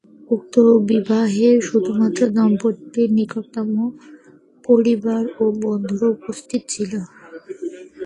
উক্ত বিবাহে শুধুমাত্র দম্পতির নিকটতম পরিবার এবং বন্ধুরা উপস্থিত ছিল।